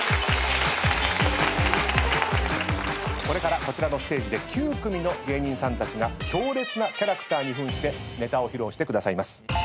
これからこちらのステージで９組の芸人さんたちが強烈なキャラクターに扮してネタを披露してくださいます。